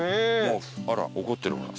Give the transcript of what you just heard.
あら怒ってる？